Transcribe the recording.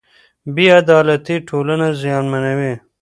بې عدالتي ټولنه زیانمنوي.